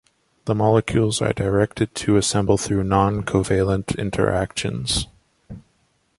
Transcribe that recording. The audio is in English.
The molecules are directed to assemble through noncovalent interactions.